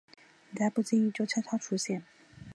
你在不经意中悄悄出现